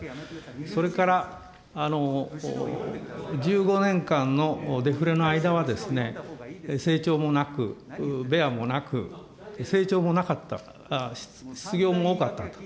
それから、１５年間のデフレの間は、成長もなく、ベアもなく、成長もなかった、失業も多かったと。